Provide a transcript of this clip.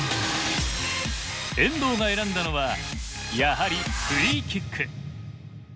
遠藤が選んだのはやはりフリーキック。